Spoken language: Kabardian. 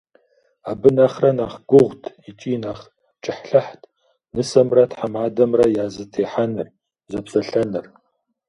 Абы нэхърэ нэхъ гугъут икӏи нэхъ кӏыхьлӏыхьт нысэмрэ тхьэмадэмрэ я зэтехьэныр, зэпсэлъэныр.